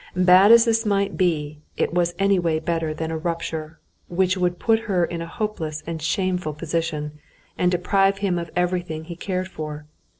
Bad as this might be, it was anyway better than a rupture, which would put her in a hopeless and shameful position, and deprive him of everything he cared for.